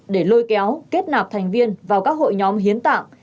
để lôi kéo kết nạp thành viên vào các hội nhóm hiến tạng